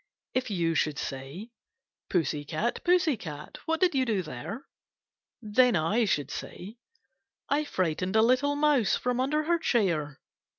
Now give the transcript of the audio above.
If you should say :' Pussy cat, pussy cat, What did you there ?' Then I should say :—* I frightened a little mouse From under her chair.'